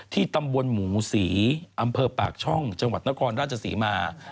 ตำบลหมูศรีอำเภอปากช่องจังหวัดนครราชศรีมา